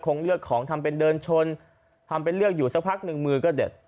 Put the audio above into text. เลือกของทำเป็นเดินชนทำเป็นเลือกอยู่สักพักหนึ่งมือก็เด็ด